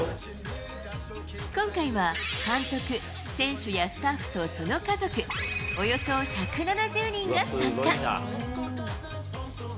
今回は、監督、選手やスタッフとその家族、およそ１７０人が参加。